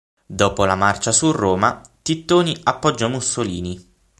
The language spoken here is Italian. Dopo la Marcia su Roma, Tittoni appoggiò Mussolini.